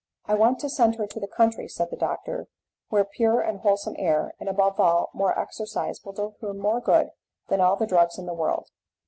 "I want to send her to the country," said the doctor, "where pure and wholesome air, and, above all, more exercise, will do her more good than all the drugs in the world."